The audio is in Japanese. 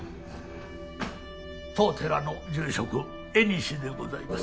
当寺の住職江西でございます。